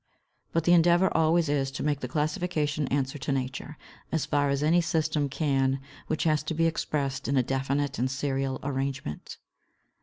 But the endeavor always is to make the classification answer to Nature, as far as any system can which has to be expressed in a definite and serial arrangement.